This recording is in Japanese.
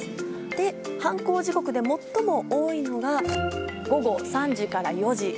で犯行時刻で最も多いのが午後３時から４時。